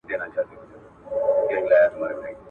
آیا اوړی تر ژمي ګرم دی؟